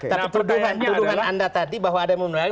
tapi tuduhan anda tadi bahwa ada yang memenuhi